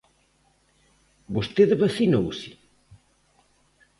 ¿Vostede vacinouse?